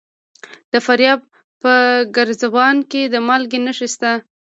د فاریاب په ګرزوان کې د مالګې نښې شته.